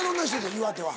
岩手は。